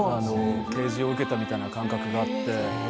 啓示を受けたような感覚があって。